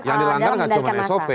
yang dilanggar nggak cuma sop